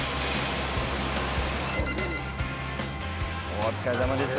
お疲れさまです。